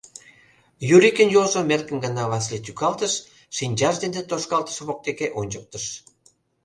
Юрикын йолжым эркын гына Васлий тӱкалтыш, шинчаж дене тошкалтыш воктеке ончыктыш.